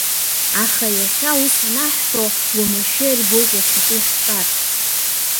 Аха иахьа ус анаҳҳәо уамашәа ирбоит иахьатәи ҳҿар.